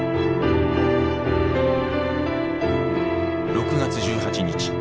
６月１８日。